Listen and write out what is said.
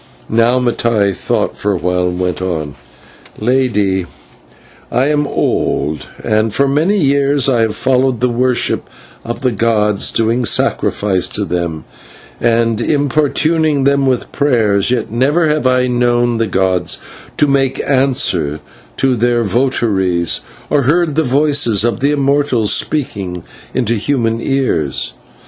Now Mattai thought for a while and went on: "Lady, I am old, and for many years I have followed the worship of the gods, doing sacrifice to them, and importuning them with prayers, yet never have I known the gods to make answer to their votaries, or heard the voices of the immortals speaking into human ears.